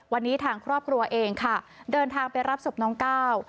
วันนี้ทางครอบครัวเองค่ะเดินทางไปรับศพน้องก้าว